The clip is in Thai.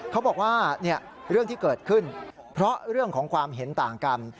เขาบอกว่าเรื่องที่เกิดขึ้นเพราะเรื่องของความเห็นต่างกัน